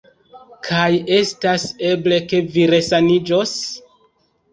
Kaj estas eble, ke vi resaniĝos?